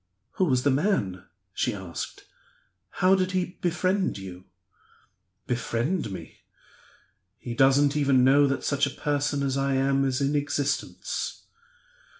"Who was the man?" she asked. "How did he befriend you?" "Befriend me? He doesn't even know that such a person as I am is in existence."